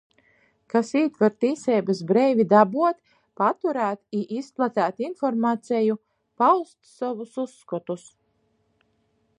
Kas ītver tīseibys breivi dabuot, paturēt i izplateit informaceju, paust sovus uzskotus.